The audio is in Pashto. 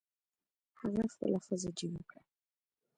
هغه خپله ښځه جګه کړه.